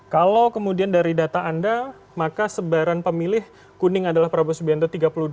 kalau kemudian dari data anda maka sebaran pemilih kuning adalah prabowo subianto tiga puluh dua